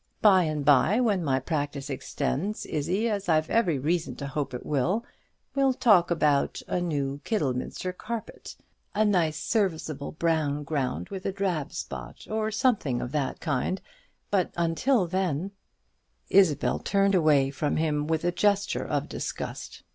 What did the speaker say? By and by, when my practice extends, Izzie, as I've every reason to hope it will, we'll talk about a new Kidderminster carpet, a nice serviceable brown ground with a drab spot, or something of that kind, but until then " Isabel turned away from him with a gesture of disgust.